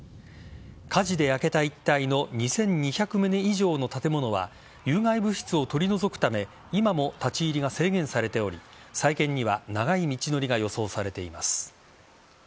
火事で焼けた一帯の２２００棟以上の建物は有害物質を取り除くため今も立ち入りが制限されており再建には長い道のりが予想されています。